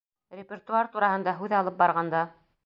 — Репертуар тураһында һүҙ алып барғанда...